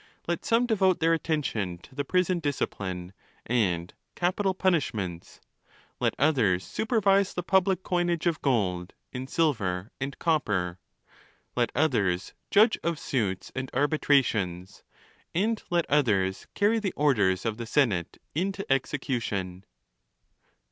Let some devote their attention to the prison discipline, and capital punishments. Let others supervise the public coinage of gold, and silver, and copper. Let others judge of suits and arbitrations; and let others carry the orders of the senate into execution.